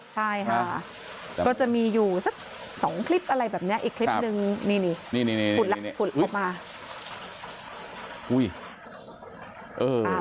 ใช่ค่ะก็จะมีอยู่สัก๒คลิปอะไรแบบนี้อีกคลิปนึงนี่ผุดออกมา